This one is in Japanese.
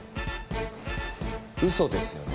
嘘ですよね？